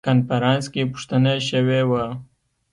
کنفرانس کې پوښتنه شوې وه.